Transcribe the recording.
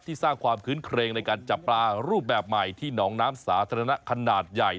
สร้างความคื้นเครงในการจับปลารูปแบบใหม่ที่หนองน้ำสาธารณะขนาดใหญ่